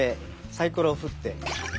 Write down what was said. サイコロを振って。